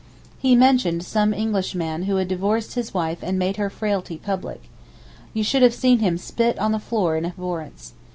He mentioned some Englishman who had divorced his wife and made her frailty public. You should have seen him spit on the floor in abhorrence.